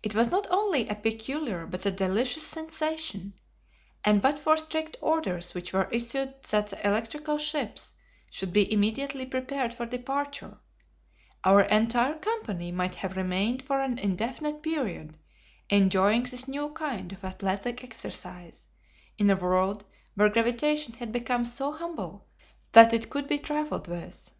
It was not only a peculiar but a delicious sensation, and but for strict orders which were issued that the electrical ships should be immediately prepared for departure, our entire company might have remained for an indefinite period enjoying this new kind of athletic exercise in a world where gravitation had become so humble that it could be trifled with.